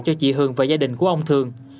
cho chị hường và gia đình của ông thường